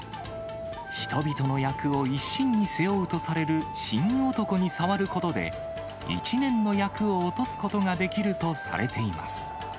人々の厄を一身に背負うとされる、神男に触ることで、一年の厄を落とすことができるとされています。